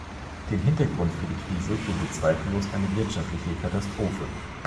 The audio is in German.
Den Hintergrund für die Krise bildet zweifellos eine wirtschaftliche Katastrophe.